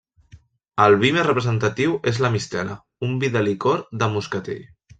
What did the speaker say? El vi més representatiu és la mistela, un vi de licor de moscatell.